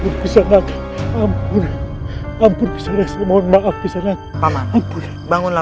berkesan ampun ampun ampun saya mohon maaf kesan kapan bangunlah